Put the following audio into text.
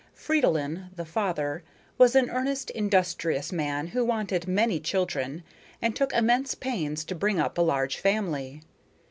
Fridolin, the father, was an earnest, industrious man who wanted many children and took immense pains to bring up a large family.